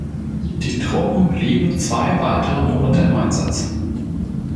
Die Truppen blieben zwei weitere Monate im Einsatz.